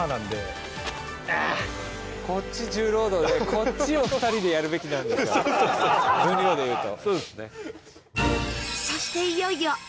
こっちを２人でやるべきなんですよ、分量でいうと。